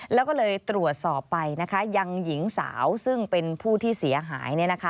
แล้วก็เลยตรวจสอบไปนะคะยังหญิงสาวซึ่งเป็นผู้ที่เสียหาย